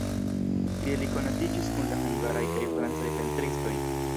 Tie li konatiĝis kun la hungaraj kaj francaj pentristoj.